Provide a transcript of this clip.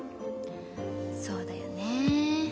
そうだよねえ。